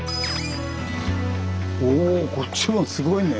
おおこっちもすごいね